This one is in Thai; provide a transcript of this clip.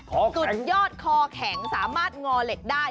คอแข็งกุดยอดคอแข็งสามารถงอเหล็กได้